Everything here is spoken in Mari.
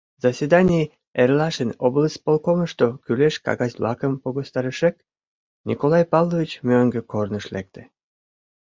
Заседаний эрлашын облисполкомышто кӱлеш кагаз-влакым погыстарышек, Николай Павлович мӧҥгӧ корныш лекте.